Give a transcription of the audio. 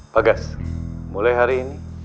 pak gas mulai hari ini